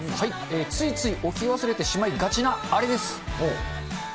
ついつい置き忘れてしまいがちなあれです。